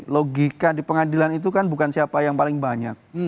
logika di pengadilan itu kan bukan siapa yang paling banyak